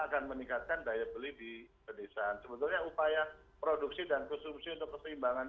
akan meningkatkan daya beli di pedesaan sebetulnya upaya produksi dan konsumsi untuk keseimbangan